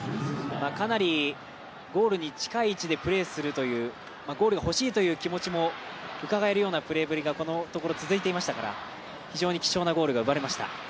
かなり、ゴールに近い位置でプレーするというゴールがほしいという気持ちもうかがえるようなプレーぶりがこのところ続いていましたから非常に貴重なゴールが生まれました。